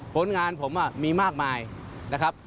ผลงานผมมีมากมายนะครับ